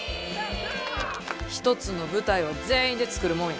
一つの舞台は全員で作るもんや。